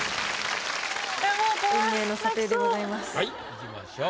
いきましょう。